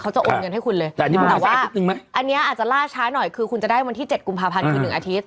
จะโอนเงินให้คุณเลยแต่ว่าอันนี้อาจจะล่าช้าหน่อยคือคุณจะได้วันที่๗กุมภาพันธ์คือ๑อาทิตย